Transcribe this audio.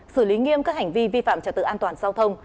xử lý nghiêm các hành vi vi phạm trật tự an toàn giao thông